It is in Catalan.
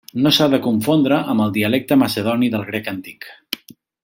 No s'ha de confondre amb el dialecte macedoni del grec antic.